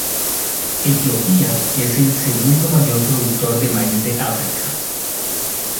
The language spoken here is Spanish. Etiopía es el segundo mayor productor de maíz de África.